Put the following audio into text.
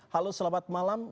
halo selamat malam